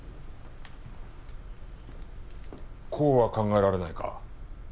こうは考えられないか？